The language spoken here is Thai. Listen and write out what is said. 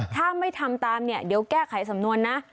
ถ้าไม่ทำตามเนี่ยเดี๋ยวแก้ไขสำนวนนะ